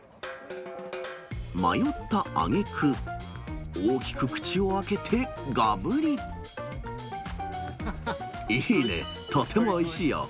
迷ったあげく、大きく口を開いいね、とてもおいしいよ。